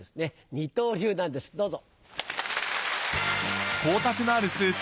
二刀流なんですどうぞ。